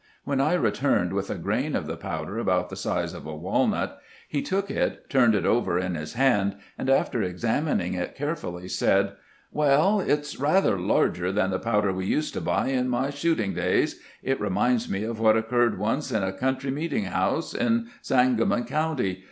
When I returned with a grain of the powder about the size of a walnut, he took it, turned it over in his hand, and after exam ining it carefully, said :" Well, it 's rather larger than the powder we used to buy in my shooting days. It reminds me of what occurred once in a country meet ing house in Sangamon County.